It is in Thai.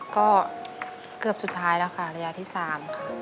ก็เกือบสุดท้ายแล้วค่ะระยะที่๓ค่ะ